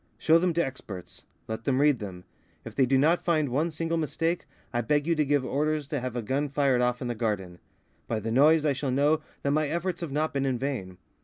Show them to experts. Let them read them. If they do not find one single mistake, I beg you to give orders to have a gun fired off in the garden. By the noise I shall know that my efforts have not been in vain.